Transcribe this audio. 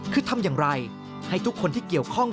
คือทำอย่างไรให้ทุกคนที่เกี่ยวข้อง